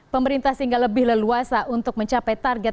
pemerintah sehingga lebih leluasa untuk mencapai target